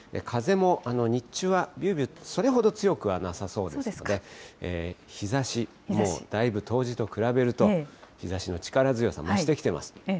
風も日中はびゅーびゅーと、それほどは強くはなさそうですので、日ざし、もうだいぶ冬至と比べると、日ざしの力強さ、増してきてます。